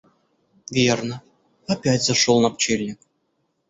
Верно, опять зашел на пчельник.